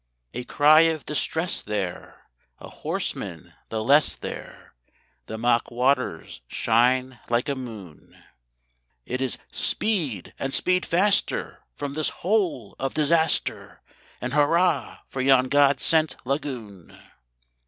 A cry of distress there! a horseman the less there! The mock waters shine like a moon! It is "Speed, and speed faster from this hole of disaster! And hurrah for yon God sent lagoon!"